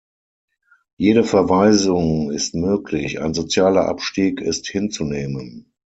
Jede Verweisung ist möglich, ein sozialer Abstieg ist hinzunehmen.